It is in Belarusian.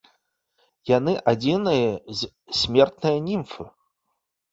Яны адзіныя з смертныя німфы.